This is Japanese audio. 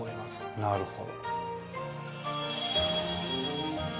なるほど。